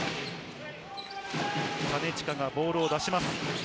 金近がボールを出します。